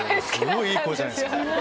すごいいい声じゃないですか。